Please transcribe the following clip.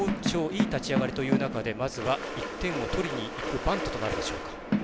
いい立ち上がりという中でまずは１点を取りにいくバントとなるでしょうか。